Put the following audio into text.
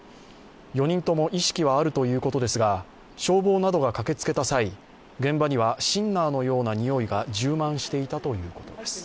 ４人とも意識はあるということですが、消防などが駆けつけた際、現場にはシンナーのようなにおいが充満していたということです。